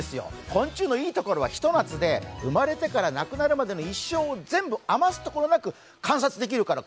昆虫のいいところは、ひと夏で生まれてから亡くなるまでの一生を全部余すところなく監察できるから、